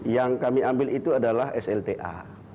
yang kami ambil itu adalah slta